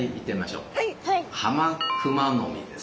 ハマクマノミです。